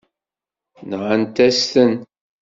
Nɣant-as-ten.